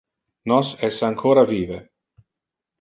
Nos es ancora vive.